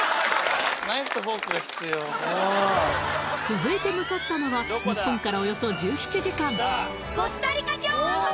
続いて向かったのは日本からおよそ１７時間